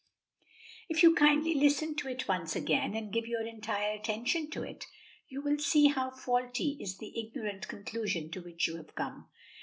If you kindly listen to it once again, and give your entire attention to it, you will see how faulty is the ignorant conclusion to which you have come."